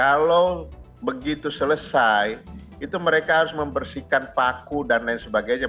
kalau begitu selesai itu mereka harus membersihkan paku dan lain sebagainya